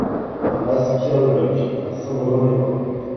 Impasse Pierre Le Bloch à Saint-Brevin-les-Pins